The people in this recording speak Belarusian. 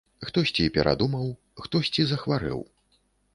Хтосьці перадумаў, хтосьці захварэў.